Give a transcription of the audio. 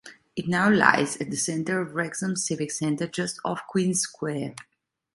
It now lies at the centre of Wrexham's civic centre just off Queens Square.